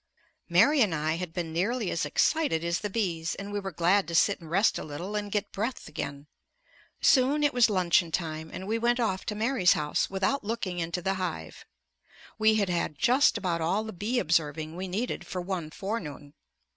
Mary and I had been nearly as excited as the bees, and we were glad to sit and rest a little and get breath again. Soon it was luncheon time and we went off to Mary's house without looking into the hive. We had had just about all the bee observing we needed for one forenoon.